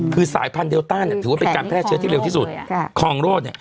คือสายพันธุ์เดลต้าถือว่าเป็นการแพร่เชื้อที่เร็วที่สุดคลองโลด